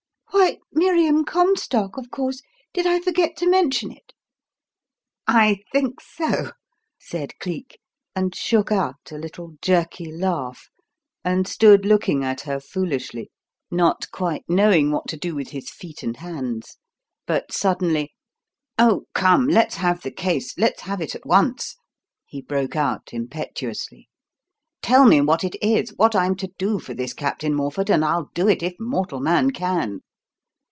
"Why Miriam Comstock, of course did I forget to mention it?" "I think so," said Cleek; and shook out a little jerky laugh, and stood looking at her foolishly; not quite knowing what to do with his feet and hands. But suddenly "Oh come, let's have the case let's have it at once," he broke out impetuously. "Tell me what it is, what I'm to do for this Captain Morford, and I'll do it if mortal man can."